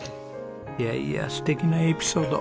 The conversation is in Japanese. いやいや素敵なエピソード。